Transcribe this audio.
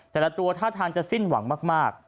แต่ละตัวท่าทางจะสิ้นหวังมาก